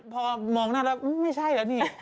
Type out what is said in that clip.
พอมองหน้าแล้วไม่ใช่แล้วนี่